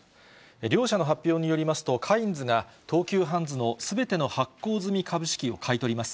両社の発表によりますと、カインズが、東急ハンズのすべての発行済み株式を買い取ります。